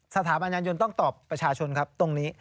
สถาบันยานยนต์ต้องตอบประชาชนครับตรงนี้